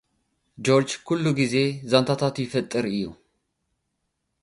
ጆርጅ፡ ኲሉ ግዜ ዛንታታት ይፈጥር እዩ።